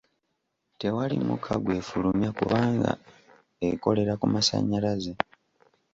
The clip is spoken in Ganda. Tewali mukka gw'efulumya kubanga ekolera ku masannyalaze.